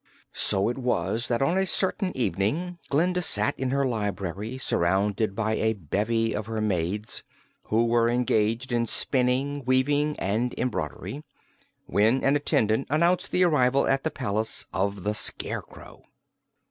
So it was that on a certain evening Glinda sat in her library, surrounded by a bevy of her maids, who were engaged in spinning, weaving and embroidery, when an attendant announced the arrival at the palace of the Scarecrow.